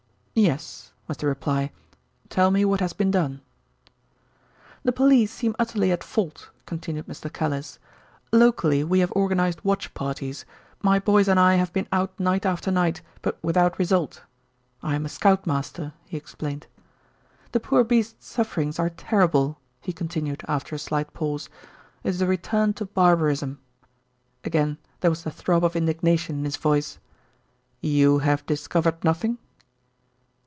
"Yes," was the reply. "Tell me what has been done." "The police seem utterly at fault," continued Mr. Callice. "Locally we have organised watch parties. My boys and I have been out night after night; but without result. I am a scout master," he explained. "The poor beasts' sufferings are terrible," he continued after a slight pause. "It is a return to barbarism;" again there was the throb of indignation in his voice. "You have discovered nothing?"